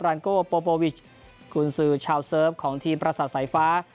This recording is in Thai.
ันโกโปโปวิชกุญสือชาวเซิร์ฟของทีมประสาทสายฟ้า